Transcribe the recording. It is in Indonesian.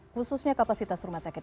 khususnya kapasitas rumah sakit